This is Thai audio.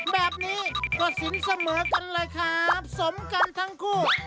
แบบนี้ก็สินเสมอกันเลยครับสมกันทั้งคู่